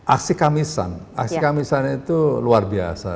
aksi kamisan aksi kamisan itu luar biasa